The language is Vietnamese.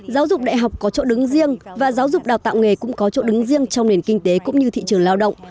giáo dục đại học có chỗ đứng riêng và giáo dục đào tạo nghề cũng có chỗ đứng riêng trong nền kinh tế cũng như thị trường lao động